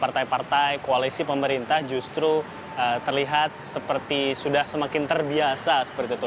partai partai koalisi pemerintah justru terlihat seperti sudah semakin terbiasa seperti itu